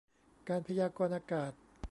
การพยากรณ์อากาศ